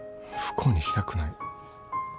不幸にしたくない。